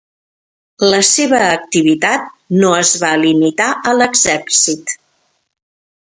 La seva activitat no es va limitar a l'exèrcit.